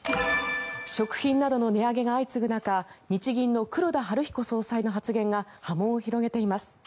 食品などの値上げが相次ぐ中日銀の黒田東彦総裁の発言が波紋を広げています。